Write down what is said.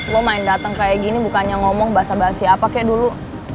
lo main datang kayak gini bukannya ngomong bahasa basi apa kayak dulu